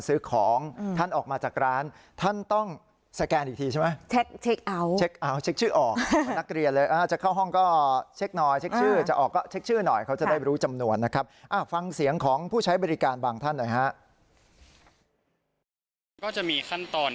ซึ่งแต่ละร้านเขาก็จำกัดจำนวน